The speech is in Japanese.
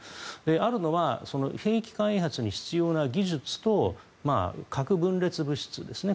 あるのは兵器開発に必要な技術と核分裂物質ですね。